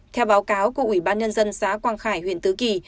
theo báo cáo của ủy ban nhân dân xã quang khải huyện tứ kỳ